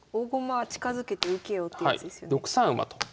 ６三馬と。